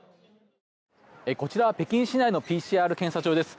こちらは北京市内のＰＣＲ検査場です。